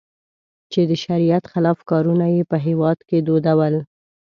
چې د شریعت خلاف کارونه یې په هېواد کې دودول.